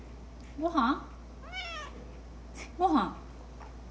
ごはん？